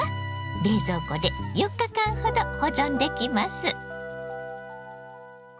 冷蔵庫で４日間ほど保存できます。